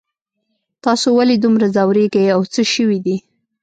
تاسو ولې دومره ځوریږئ او څه شوي دي